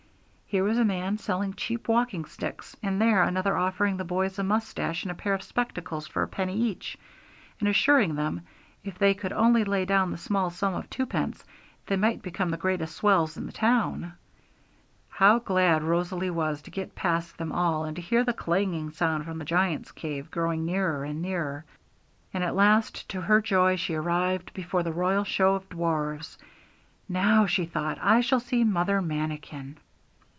Here was a man selling cheap walking sticks, and there another offering the boys a moustache and a pair of spectacles for a penny each, and assuring them that if they would only lay down the small sum of twopence, they might become the greatest swells in the town. How glad Rosalie was to get past them all, and to hear the clanging sound from the Giant's Cave growing nearer and nearer. And at last, to her joy, she arrived before the 'Royal Show of Dwarfs.' 'Now,' she thought, 'I shall see Mother Manikin.'